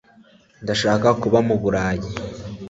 ndashaka kuba mu burayi